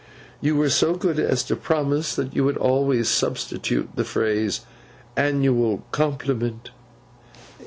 You were so good as to promise that you would always substitute the phrase, annual compliment.